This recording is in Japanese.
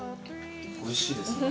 美味しいですね。